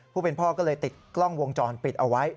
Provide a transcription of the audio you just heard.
ผู้เป็นพ่อก็เลยติดกล้องวงจรปิดเอาไว้